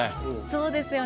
そうですよね。